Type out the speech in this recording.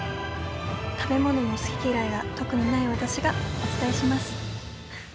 食べ物の好き嫌いが特にない私がお伝えします。